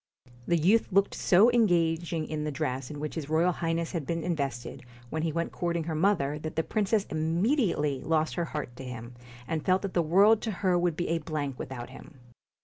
The youth looked so engaging in the dress in which his Royal Highness had been invested when he went courting her mother, that the princess immediately lost her heart to him, and felt that the world to her would be a blank without him.